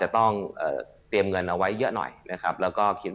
ต้องเตรียมเงินออกต่อสหรัฐเอง